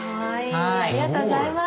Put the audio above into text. ありがとうございます！